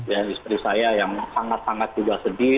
dan istri saya yang sangat sangat juga sedih